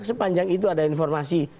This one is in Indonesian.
sepanjang itu ada informasi